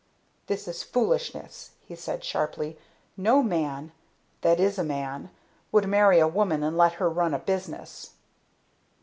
"This is foolishness!" he said sharply. "No man that is a man would marry a woman and let her run a business."